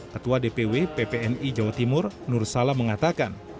ketua dpw ppni jawa timur nur salam mengatakan